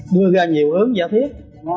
đưa ra nhiều hướng giả thuyết